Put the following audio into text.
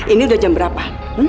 ini udah jam berapa